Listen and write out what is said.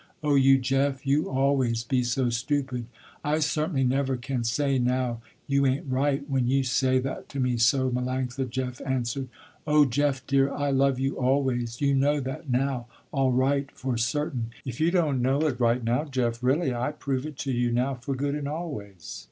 Oh you Jeff, you always be so stupid." "I certainly never can say now you ain't right, when you say that to me so, Melanctha," Jeff answered. "Oh, Jeff dear, I love you always, you know that now, all right, for certain. If you don't know it right now, Jeff, really, I prove it to you now, for good and always."